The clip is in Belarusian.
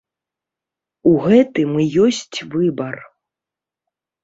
У гэтым і ёсць выбар.